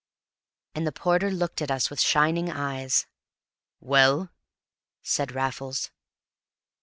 And the porter looked at us with shining eyes. "Well?" said Raffles.